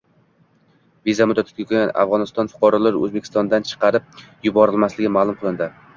Viza muddati tugagan Afg‘oniston fuqarolari O‘zbekistondan chiqarib yuborilmasligi ma’lum qilindi